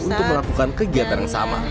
untuk melakukan kegiatan yang sama